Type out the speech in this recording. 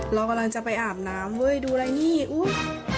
เรากำลังจะไปอาบน้ำเว้ยดูอะไรนี่อุ้ย